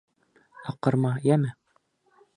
Аҡырма, йәме.